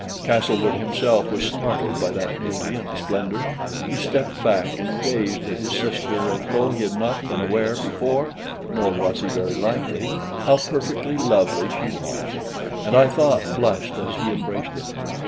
Castlewood himself was startled by that beauty and splendor; he stepped back and gazed at his sister as though he had not been aware before (nor was he very likely) how perfectly lovely she was, and I thought blushed as he embraced her.